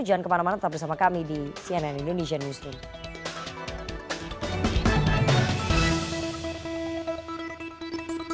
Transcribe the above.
jangan kemana mana tetap bersama kami di cnn indonesian newsroom